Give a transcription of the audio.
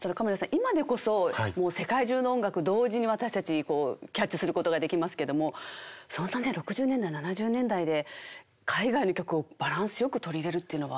今でこそ世界中の音楽同時に私たちキャッチすることができますけどもそんなね６０年代７０年代で海外の曲をバランスよく取り入れるっていうのは。